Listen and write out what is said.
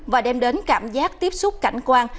và đem đến cảm giác tiếp xúc cảnh quan